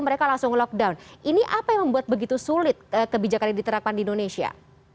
mereka langsung lockdown ini apa yang membuat begitu sulit kebijakan yang diterapkan di indonesia